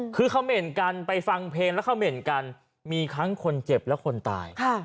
คือคำเหน่นกันไปฟังเพลงแล้วคำเหน่นกันมีทั้งคนเจ็บและคนตาย